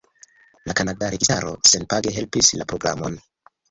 La kanada registaro senpage helpis la programon.